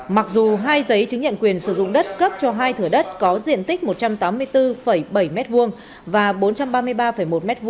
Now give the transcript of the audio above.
mặc dù hai giấy chứng nhận quyền sử dụng đất cấp cho hai thửa đất có diện tích một trăm tám mươi bốn bảy m hai và bốn trăm ba mươi ba một m hai